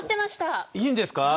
いいんですか。